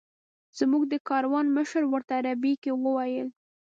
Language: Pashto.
زموږ د کاروان مشر ورته عربي کې وویل.